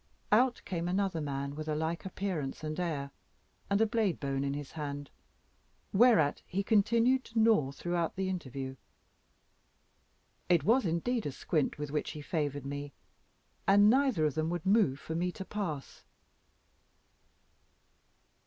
Out came another man with a like appearance and air, and a blade bone in his hand, whereat he continued to gnaw throughout the interview. It was indeed a squint with which he favoured me, and neither of them would move for me to pass.